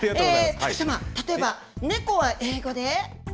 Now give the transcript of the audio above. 高瀬様、例えば猫は英語で？